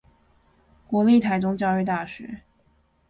國立臺中教育大學